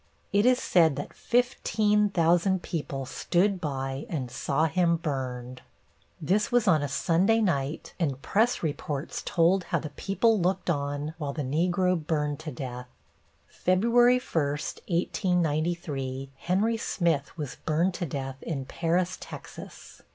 It is said that fifteen thousand people stood by and saw him burned. This was on a Sunday night, and press reports told how the people looked on while the Negro burned to death. Feb. 1, 1893, Henry Smith was burned to death in Paris, Texas.